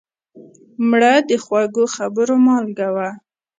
مړه د خوږو خبرو مالګه وه